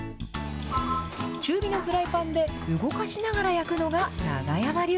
中火のフライパンで動かしながら焼くのが永山流。